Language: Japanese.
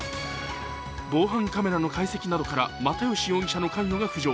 防犯カメラの解析などから又吉容疑者の関与が浮上。